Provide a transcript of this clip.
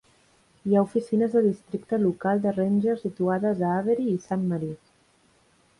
Hi ha oficines de districte local de ranger situades a Avery i Saint Maries.